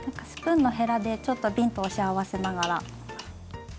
スプーンのへらでちょっとびんと押し合わせながら。